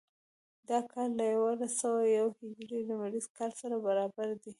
دا کال له یوولس سوه یو هجري لمریز کال سره برابر دی.